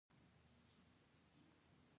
څنګه يې ياره؟ هههه ياره